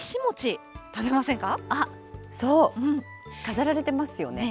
そう、飾られてますよね。